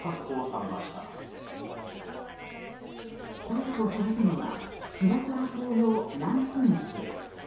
逮捕されたのはスマトラ島のランプン州。